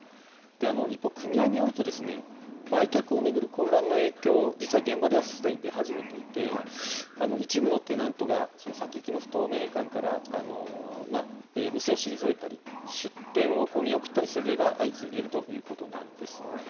一方、組合によると、売却を巡る混乱の影響、実は現場ではすでに出始めていて、一部のテナントが、先行きの不透明感から店を退いたり、出店を見送ったりする例が相次いでいるということなんです。